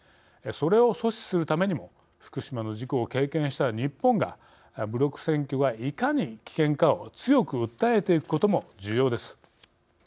それを阻止するためにも福島の事故を経験した日本が武力占拠がいかに危険かを強く訴えていくことも重要です。